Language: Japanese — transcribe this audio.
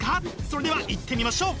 それではいってみましょう！